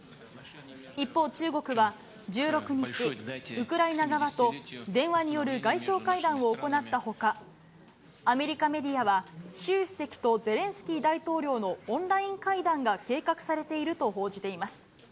一方、中国は１６日、ウクライナ側と電話による外相会談を行ったほか、アメリカメディアは、習主席とゼレンスキー大統領のオンライン会談が計画されていると報じています。